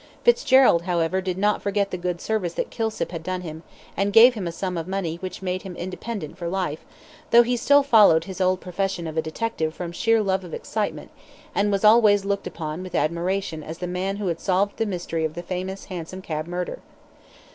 Fitzgerald, however, did not forget the good service that Kilsip had done him, and gave him a sum of money which made him independent for life, though he still followed his old profession of a detective from sheer love of excitement, and was always looked upon with admiration as the man who had solved the mystery of the famous hansom cab murder.